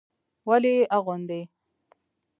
ولې يې اغوندي.